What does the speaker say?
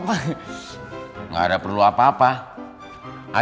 tidak ada perlu apa apa